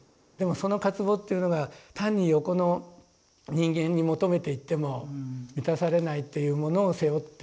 でもその渇望っていうのが単に横の人間に求めていっても満たされないというものを背負っている。